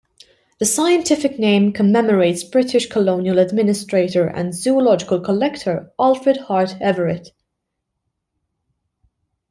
The scientific name commemorates British colonial administrator and zoological collector Alfred Hart Everett.